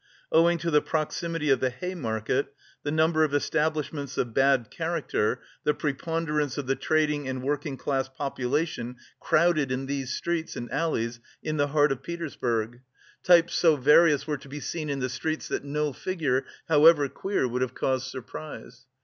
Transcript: Owing to the proximity of the Hay Market, the number of establishments of bad character, the preponderance of the trading and working class population crowded in these streets and alleys in the heart of Petersburg, types so various were to be seen in the streets that no figure, however queer, would have caused surprise.